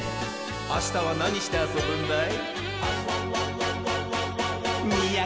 あしたはなにしてあそぶんだい？